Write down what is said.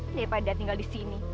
dia padahal tinggal disini